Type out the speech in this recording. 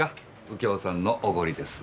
右京さんのおごりです。